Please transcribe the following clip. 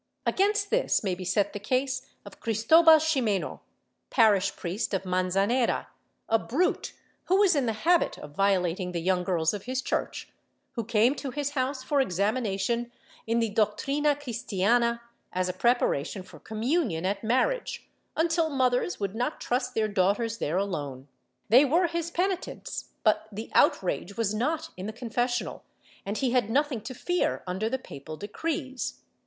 Against this may be set the case of Cristobal Ximeno, parish priest of Manzanera, a brute who was in the habit of violating the young girls of his church, who came to his house for examination in the Doctrina Cristiana, as a preparation for communion at marriage, until mothers would not trust their daughters there alone. They were his penitents, but the outrage was not in the confes sional and he had nothing to fear under the papal decrees.